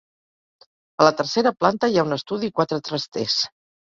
A la tercera planta hi ha un estudi i quatre trasters.